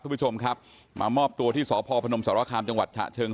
ผู้ชมครับมามอบตัวที่สพพนมสรค์ว่าคาร์มจังหวัดเชิง